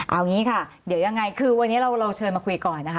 เอางี้ค่ะเดี๋ยวยังไงคือวันนี้เราเชิญมาคุยก่อนนะคะ